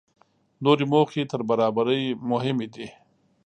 نورې موخې تر برابرۍ مهمې دي.